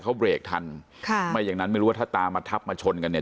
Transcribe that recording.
เขาเบรกทันค่ะไม่อย่างนั้นไม่รู้ว่าถ้าตามมาทับมาชนกันเนี่ย